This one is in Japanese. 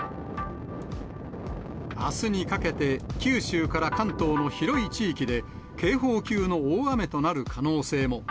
あすにかけて、九州から関東の広い地域で警報級の大雨となる可能性も。